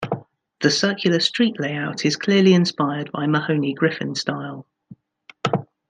The circular street layout is clearly inspired by Mahony-Griffin style.